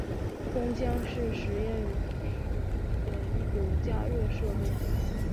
烘箱是实验室中的一种加热设备。